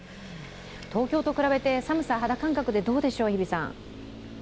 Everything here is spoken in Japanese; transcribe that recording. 東京と比べて寒さ、肌感覚でどうでしょう。